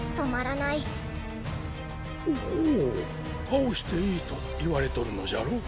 倒していいと言われとるのじゃろう？